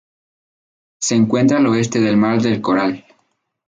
Se encuentra al oeste del Mar del Coral.